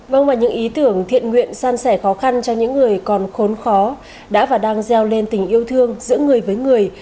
vâng và những ý tưởng thiện nguyện san sẻ khó khăn cho những người còn khốn khó đã và đang gieo lên tình yêu thương giữa người với người